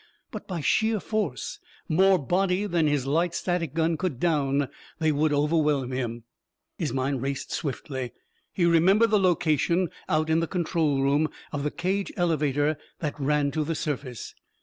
But by sheer force, more body than his light static gun could down, they would overwhelm him. His mind raced swiftly. He remembered the location, out in the control room, of the cage elevator that ran to the surface.